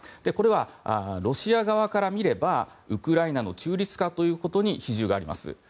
これは、ロシア側から見ればウクライナの中立化ということに比重があります。